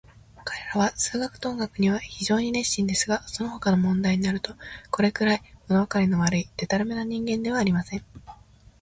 彼等は数学と音楽には非常に熱心ですが、そのほかの問題になると、これくらい、ものわかりの悪い、でたらめな人間はありません。